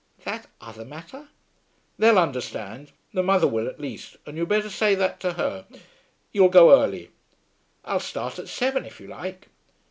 "That other matter?" "They'll understand. The mother will at least, and you'd better say that to her. You'll go early." "I'll start at seven if you like."